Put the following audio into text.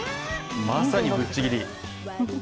まさに、ぶっちぎり。